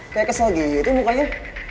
kayak kesel gitu mukanya